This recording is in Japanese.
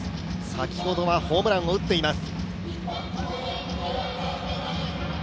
先ほどはホームランを打っています。